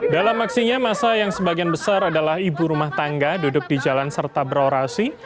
dalam aksinya masa yang sebagian besar adalah ibu rumah tangga duduk di jalan serta berorasi